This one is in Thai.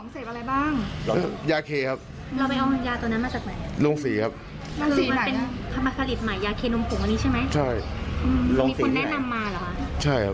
ศือบองเสพอะไรบ้างยาเคครับอืมไปในตัวนั้นมาจากไหน